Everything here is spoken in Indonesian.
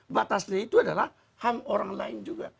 batasnya itu adalah ham orang lain juga